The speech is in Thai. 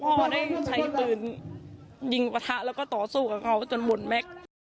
พ่อได้ใช้ปืนยิงปะทะแล้วก็ต่อสู้กับเขาจนหมดแม็กซ์